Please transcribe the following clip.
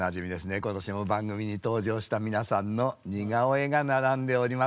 今年も番組に登場した皆さんの似顔絵が並んでおります。